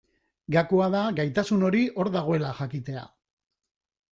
Gakoa da gaitasun hori hor dagoela jakitea.